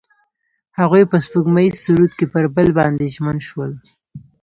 هغوی په سپوږمیز سرود کې پر بل باندې ژمن شول.